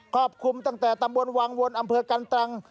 รอบคลุมตั้งแต่ตำบลวังวนอำเภอกันตรัง